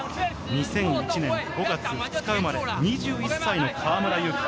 ２００１年５月２日生まれ、２１歳の河村勇輝。